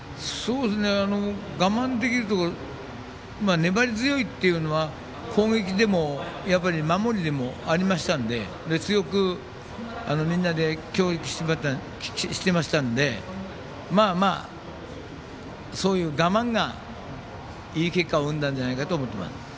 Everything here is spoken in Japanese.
我慢できるところ粘り強いっていうのは攻撃でも、守りでもありましたんで強く、みんなで協力してましたんでそういう我慢がいい結果を生んだんだと思います。